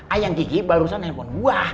ayang kiki barusan handphone gua